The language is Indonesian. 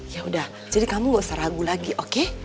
ya udah jadi kamu gak usah ragu lagi oke